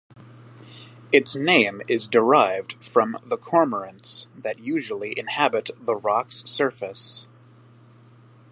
Its name is derived from the Cormorants that usually inhabit the rock's surface.